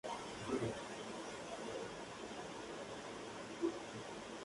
La música en el juego cambiará según el rendimiento del jugador en el combate.